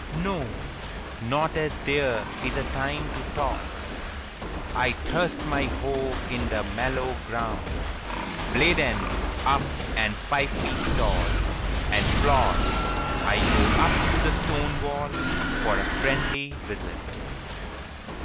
No, not as there is a time to talk. I thrust my hoe in the mellow ground, Blade end up and five feet tall, And plod: I go up to the stone wall For a friendly visit.